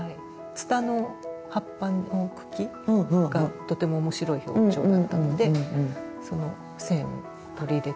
つたの葉っぱの茎がとても面白い表情だったのでその線を取り入れたり。